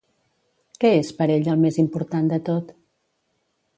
Què és per ell el més important de tot?